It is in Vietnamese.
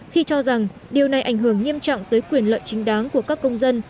khi cho rằng điều này ảnh hưởng nghiêm trọng tới quyền lợi chính đáng của các công dân